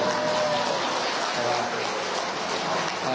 ใช่ปะ